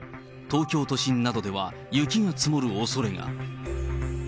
東京都心などでは雪が積もるおそれが。